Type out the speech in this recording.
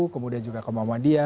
kemudian juga ke mamadiya